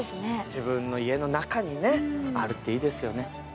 自分の家の中にあるっていいですよね。